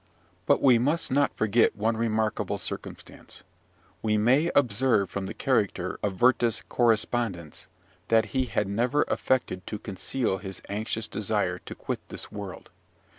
But we must not forget one remarkable circumstance. We may observe from the character of Werther's correspondence, that he had never affected to conceal his anxious desire to quit this world.